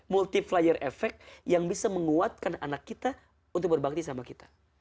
multi flyer efek yang bisa menguatkan anak kita untuk berbakti sama kita